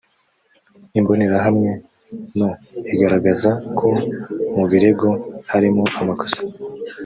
imbonerahamwe no iragaragaza ko mu birego harimo amakosa.